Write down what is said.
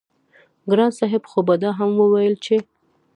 ګران صاحب خو به دا هم وييل چې